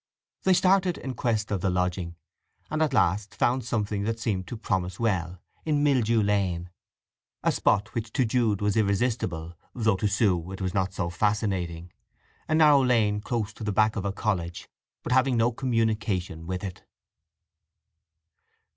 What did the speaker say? They started in quest of the lodging, and at last found something that seemed to promise well, in Mildew Lane—a spot which to Jude was irresistible—though to Sue it was not so fascinating—a narrow lane close to the back of a college, but having no communication with it.